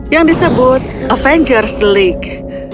yang disebut avengers league